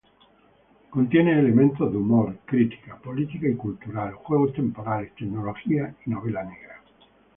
Contiene elementos de humor, crítica política y cultural, juegos temporales, tecnología y novela negra.